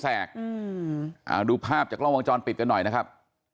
ดูภาพจากกล้องวงจรปิดกันหน่อยนะครับ